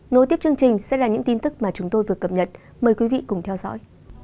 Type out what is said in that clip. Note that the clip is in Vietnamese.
nối tiếp chương trình sẽ là những tin tức mà chúng tôi vừa cập nhật mời quý vị cùng theo dõi